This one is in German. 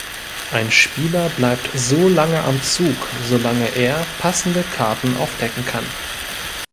Ein Spieler bleibt so lange am Zug, solange er passende Karten aufdecken kann.